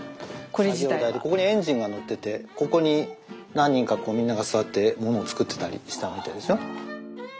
作業台でここにエンジンが載っててここに何人かこうみんなが座って物を作ってたりしたみたいですよ。